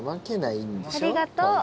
ありがとう。